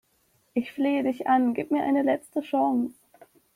Ich flehe dich an, gib mir eine letzte Chance